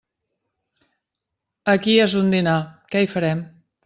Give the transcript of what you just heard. Aquí és un dinar, què hi farem!